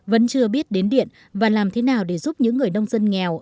vẫn chưa biết đến điện và làm thế nào để giúp những người nông dân nghèo